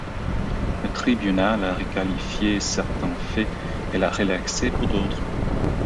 Le tribunal a requalifié certains faits et l'a relaxé pour d'autres.